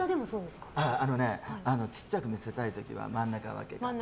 小さく見せたい時は真ん中分け。